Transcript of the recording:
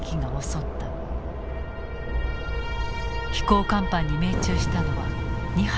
飛行甲板に命中したのは２発。